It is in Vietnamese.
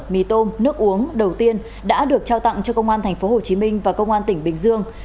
mì tôm nước uống đầu tiên đã được trao tặng cho công an tp hcm và công an tỉnh bình dương